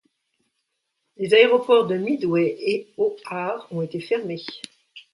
Les aéroports de Midway et O'Hare ont été fermés.